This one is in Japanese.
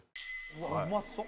うわっうまそう！